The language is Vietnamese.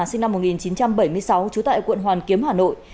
sinh năm một nghìn chín trăm bảy mươi sáu trú tại quận hoàn kiếm hà nội